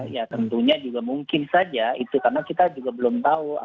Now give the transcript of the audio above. ya tentunya juga mungkin saja itu karena kita juga belum tahu